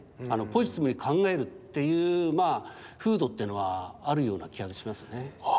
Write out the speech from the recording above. ポジティブに考えるっていう風土っていうのはあるような気がしますね。